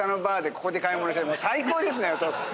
ここで買い物して最高ですねお父さん。